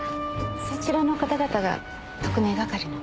そちらの方々が特命係の？